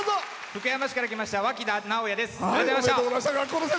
福山市から来ましたわきだです。